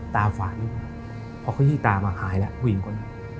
ตาฝ่านดีกว่าพอเค้าที่ตามาหายแล้วผู้หญิงคนอื่น